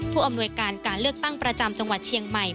ผู้อำนวยการการเลือกตั้งประจำจังหวัดเชียงใหม่